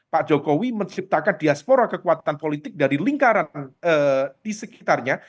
pak jokowi menciptakan diaspora kekuatan politik dari lingkaran di sekitarnya